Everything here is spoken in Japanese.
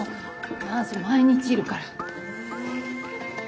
何せ毎日いるから。